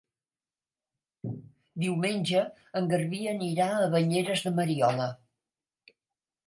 Diumenge en Garbí anirà a Banyeres de Mariola.